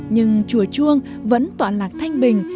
nhưng chùa chuông vẫn toạn lạc thanh bình